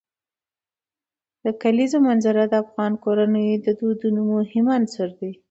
د کلیزو منظره د افغان کورنیو د دودونو مهم عنصر دی.